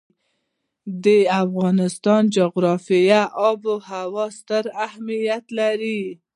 د افغانستان جغرافیه کې آب وهوا ستر اهمیت لري.